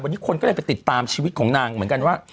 วันนี้คนก็เลยไปติดตามชีวิตของนางเหมือนกันว่า